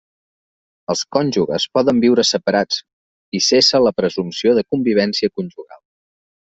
Els cònjuges poden viure separats, i cessa la presumpció de convivència conjugal.